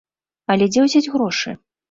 Але дзе ўзяць грошы?